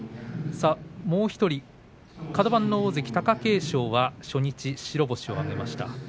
もう１人のカド番大関貴景勝は初日白星を挙げました。